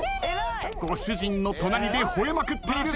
ご主人の隣で吠えまくっている。